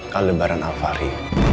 kalebaran alva hari